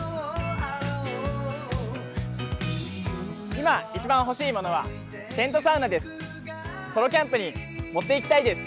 今、一番欲しいものはテントサウナです。